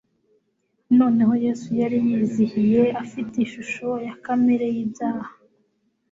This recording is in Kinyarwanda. Noneho Yesu yari yiyiziye "Afite ishusho ya kamere y'ibyaha",